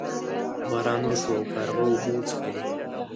باران وشو او کارغه اوبه وڅښلې.